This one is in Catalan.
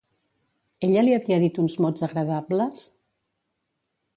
Ella li havia dit uns mots agradables?